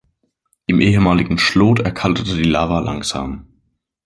Im ehemaligen Schlot erkaltete die Lava langsam.